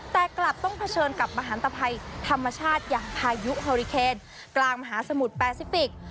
แต่กลับต้องเผชิญกับมหันตภัยธรรมชาติอย่างพายุฮอริเคนกลางมหาสมุทรแปซิฟิก